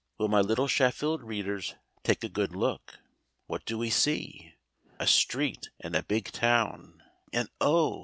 Will my little Sheffield readers take a good look? What do we see? A street in a big town, and oh!